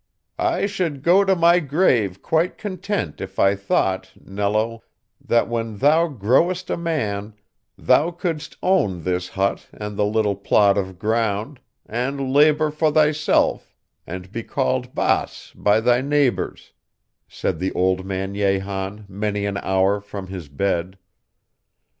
"I should go to my grave quite content if I thought, Nello, that when thou growest a man thou couldst own this hut and the little plot of ground, and labor for thyself, and be called Baas by thy neighbors," said the old man Jehan many an hour from his bed.